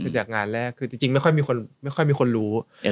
จริงไม่ค่อยมีคนรู้